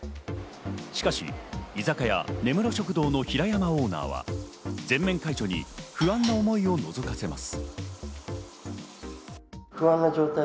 しかし、居酒屋・根室食堂の平山オーナーは全面解除に不安な思いをのぞかせます。